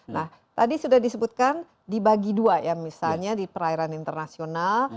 nah tadi sudah disebutkan dibagi dua ya misalnya di perairan internasional